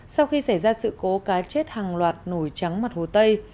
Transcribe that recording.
sau khi xảy ra sự cố cá chết hàng loạt nổi trắng mặt hồ tây